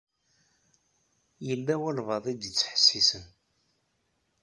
Yella walebɛaḍ i d-ittḥessisen.